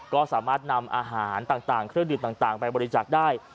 ก็สามารถนำอาหารต่างเครื่องดื่มต่างไปบริจาคได้